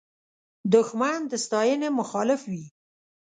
دښمن د ستاینې مخالف وي